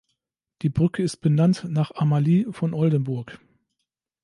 Die Brücke ist benannt nach Amalie von Oldenburg.